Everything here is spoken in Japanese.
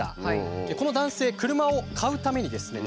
この男性車を買うためにですね